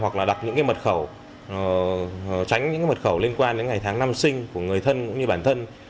hoặc là đặt những mật khẩu tránh những mật khẩu liên quan đến ngày tháng năm sinh của người thân cũng như bản thân